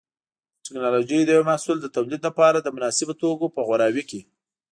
د ټېکنالوجۍ د یو محصول د تولید لپاره د مناسبو توکو په غوراوي کې.